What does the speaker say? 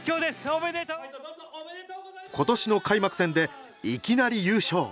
今年の開幕戦でいきなり優勝！